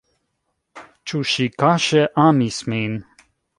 Ĉu ŝi kaŝe amis min?